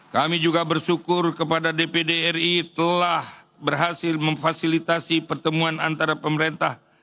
kami juga bersyukur kepada dpd ri telah berhasil memfasilitasi pertemuan antara pemerintah